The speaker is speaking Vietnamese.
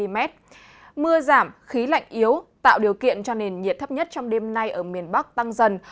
mưa giảm khí lạnh yếu tạo điều kiện cho nền nhiệt thấp nhất trong đêm nay ở miền bắc tăng dần